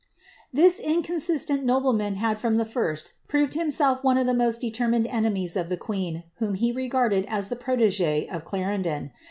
'" This inconsistent nobleman had from the first proved himself one af the most determined enemies of the queen, whom he regarded as kbe protegee of Clarendon.